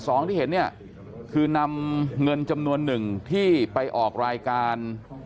ที่เห็นเนี่ยคือนำเงินจำนวนหนึ่งที่ไปออกรายการ